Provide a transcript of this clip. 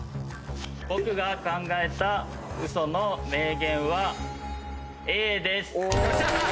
僕が考えたウソの名言はＡです！